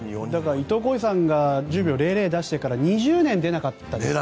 伊東浩司さんが１０秒００出してから２０年出なかったですね。